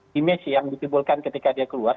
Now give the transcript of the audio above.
image yang ditimbulkan ketika dia keluar